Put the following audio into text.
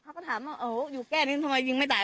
เขาก็ถามว่าโอ้โหอยู่แค่นี้ทำไมยิงไม่ตาย